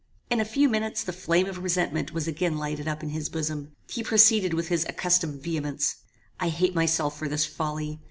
In a few minutes the flame of resentment was again lighted up in his bosom. He proceeded with his accustomed vehemence "I hate myself for this folly.